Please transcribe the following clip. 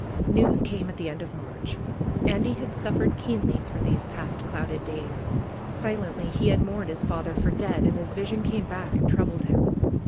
News came at the end of March. Andy had suffered keenly through these past clouded days. Silently he had mourned his father for dead, and his vision came back and troubled him.